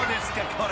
これ。